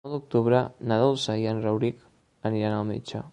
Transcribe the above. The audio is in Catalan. El nou d'octubre na Dolça i en Rauric aniran al metge.